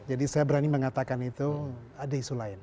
jadi saya berani mengatakan itu ada isu lain